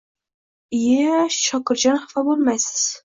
Iyi, Shokirjon xafa bo`lmaysiz